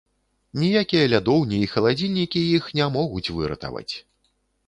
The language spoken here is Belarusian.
Ніякія лядоўні і халадзільнікі іх не могуць выратаваць.